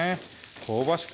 香ばしく